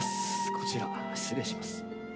こちら側失礼します。